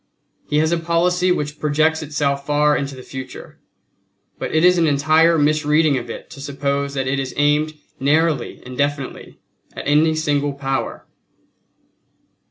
He has a policy which projects itself far into the future, but it is an entire misreading of it to suppose that it is aimed narrowly and definitely at any single Power."